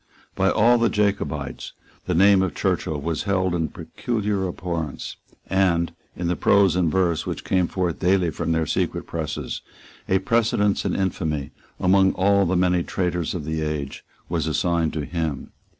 By all the Jacobites the name of Churchill was held in peculiar abhorrence; and, in the prose and verse which came forth daily from their secret presses, a precedence in infamy, among all the many traitors of the age, was assigned to him.